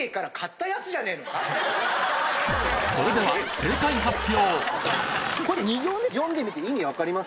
それでは正解発表！